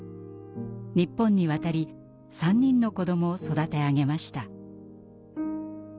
日本に渡り３人の子どもを育て上げました。